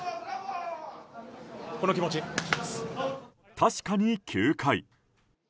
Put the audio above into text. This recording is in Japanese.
確かに９回。